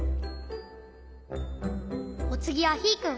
おつぎはヒーくん。